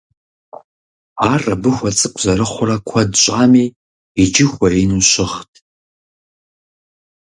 Ар абы хуэцӀыкӀу зэрыхъурэ куэд щӀами, иджы хуэину щыгът.